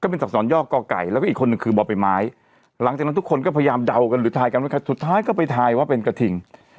เป็นอักษรย่อก่อไก่แล้วก็อีกคนหนึ่งคือบ่อใบไม้หลังจากนั้นทุกคนก็พยายามเดากันหรือทายกันสุดท้ายก็ไปทายว่าเป็นกระทิง